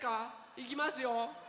いきますよ。